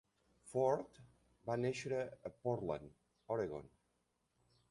Forte va néixer a Portland (Oregon).